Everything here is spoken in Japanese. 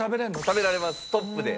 食べられますトップで。